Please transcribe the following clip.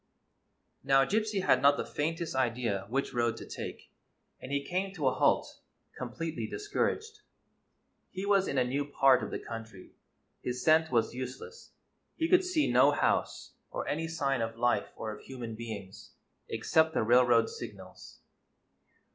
Now, Gypsy had not the faintest idea which road to take, and he came to a halt, completely discouraged. He was in a new part of the country ; his scent was useless ; he could see no house, or any sign of life or of human beings, except the railroad signals.